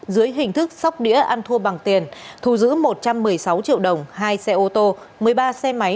dưới hình thức sóc đĩa ăn thua bằng tiền thù giữ một trăm một mươi sáu triệu đồng hai xe ô tô một mươi ba xe máy